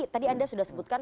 jadi tadi anda sudah sebutkan